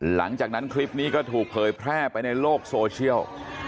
หลังจากนั้นคลิปนี้ก็ถูกเผยแพร่ไปในโลกโซเชียล